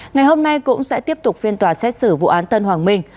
ngày hôm nay cũng sẽ tiếp tục phiên tòa xét xử vụ án tân hoàng minh